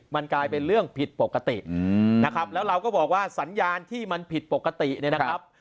มันกลายเป็นเรื่องผิดปกตินะครับแล้วเราก็บอกว่าสัญญาณที่มันผิดปกติเนี่ยนะครับ